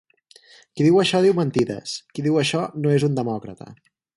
Qui diu això diu mentides; qui diu això no és un demòcrata.